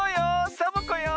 サボ子よ。